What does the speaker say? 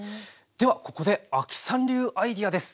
ではここで亜希さん流アイデアです。